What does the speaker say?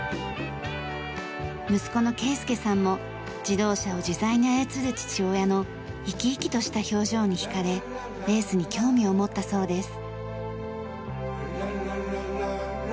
息子の恵介さんも自動車を自在に操る父親の生き生きとした表情に引かれレースに興味を持ったそうです。